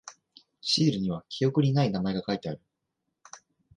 シールには記憶にない名前が書いてある。